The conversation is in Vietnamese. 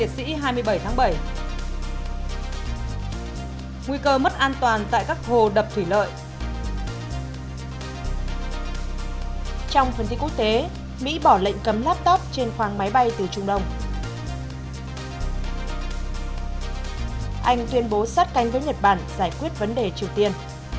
anh tuyên bố sát canh với nhật bản giải quyết vấn đề triều tiên